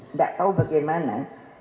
nggak tahu bagaimana